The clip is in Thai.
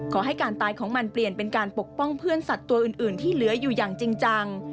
ขอให้การตายของมันเปลี่ยนเป็นการปกป้องเพื่อนสัตว์ตัวอื่นที่เหลืออยู่อย่างจริงจัง